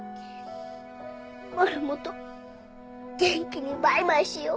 マルモと元気にバイバイしよう。